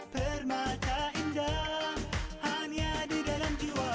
permata indah hanya di dalam jiwa